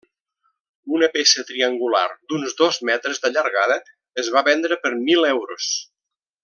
Una peça triangular d'uns dos metres de llargada es va vendre per mil euros.